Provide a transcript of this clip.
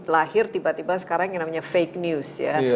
lahir tiba tiba sekarang yang namanya fake news ya